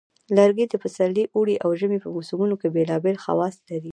لرګي د پسرلي، اوړي، او ژمي په موسمونو کې بیلابیل خواص لري.